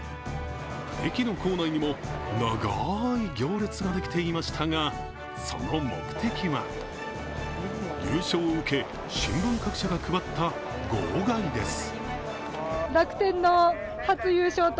駅の構内にも、長い行列ができていましたが、その目的は優勝を受け、新聞各社が配った号外です。